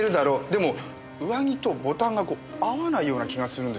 でも上着とボタンが合わないような気がするんですよ。